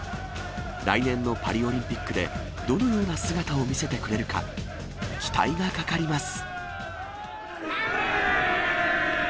来年のパリオリンピックで、どのような姿を見せてくれるか、期待がかかります。